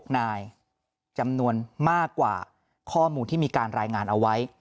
๖นายจำนวนมากกว่าข้อมูลที่มีการรายงานเอาไว้